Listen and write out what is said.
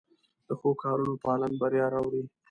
د ښو کارونو پالن بریا راوړي.